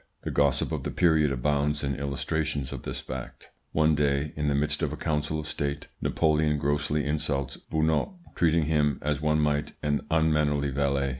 The gossip of the period abounds in illustrations of this fact. One day, in the midst of a Council of State, Napoleon grossly insults Beugnot, treating him as one might an unmannerly valet.